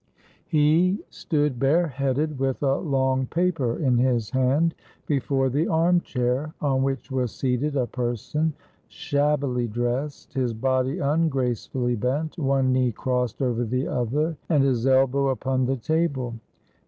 He stood bareheaded, with a long paper in his hand, before the armchair, on which was seated a person, shab bily dressed, his body ungracefully bent, one knee crossed over the other, and his elbow upon the table.